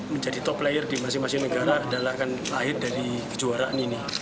menjadi top player di masing masing negara adalah kan lahir dari kejuaraan ini